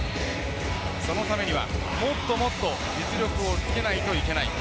そのためにはもっともっと実力をつけないといけない。